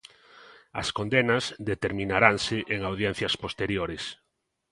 As condenas determinaranse en audiencias posteriores.